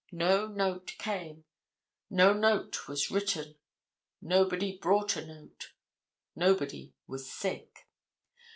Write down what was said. No note came; no note was written; nobody brought a note; nobody was sick.